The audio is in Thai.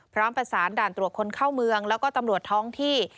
พร้อมประสานด่านตรวจคนเข้าเมืองแล้วก็ตำรวจท้องที่